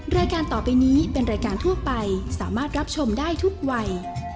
รายการต่อไปนี้เป็นรายการทั่วไปสามารถรับชมได้ทุกวัย